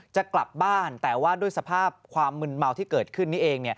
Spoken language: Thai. จะกลับบ้านแต่ว่าด้วยสภาพความมึนเมาที่เกิดขึ้นนี้เอง